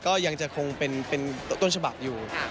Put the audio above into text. ก็ยังจะคงเป็นต้นฉบับอยู่